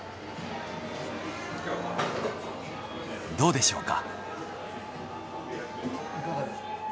どうでしょうか。